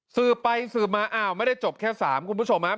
สืบไปสืบมาอ้าวไม่ได้จบแค่๓คุณผู้ชมครับ